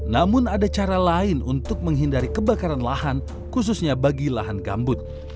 namun ada cara lain untuk menghindari kebakaran lahan khususnya bagi lahan gambut